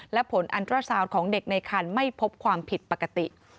และผลอันตราซาวของเด็กในคันไม่พบความผิดปกติ